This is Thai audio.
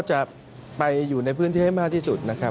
ก็จะไปอยู่ในพื้นที่ให้มากที่สุด